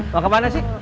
mau kemana sih